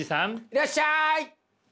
いらっしゃい！